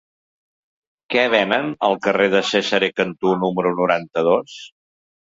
Què venen al carrer de Cesare Cantù número noranta-dos?